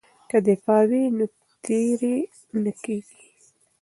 که دفاع وي نو تیری نه کیږي.